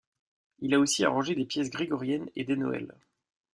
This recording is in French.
Il a aussi arrangé des pièces grégoriennes et des Noëls.